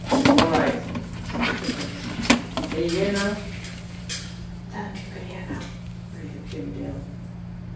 "All right !" snapped the voice. "Can you hear now ?" "Tell him you can hear now," breathed Jimmie Dale.